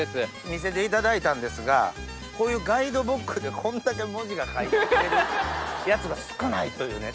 見せていただいたんですがこういうガイドブックでこんだけ文字が書いてるやつが少ないというね。